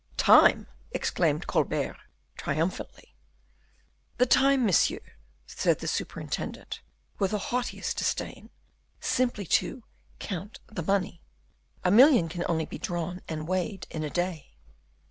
"Time!" exclaimed Colbert, triumphantly. "The time, monsieur," said the superintendent, with the haughtiest disdain, "simply to count the money; a million can only be drawn and weighed in a day."